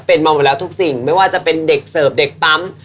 เป็นมาหมดแล้วทุกสิ่งไม่ว่าจะเป็นเด็กเสิร์ฟเด็กปั๊ม